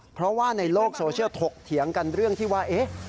เพราะว่าในโลกโซเชียลถกเถียงกันเรื่องที่ว่าเอ๊ะ